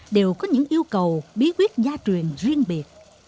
đều có những yêu cầu bí quyết gia truyền riêng biệt